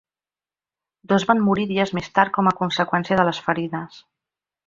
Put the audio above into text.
Dos van morir dies més tard com a conseqüència de les ferides.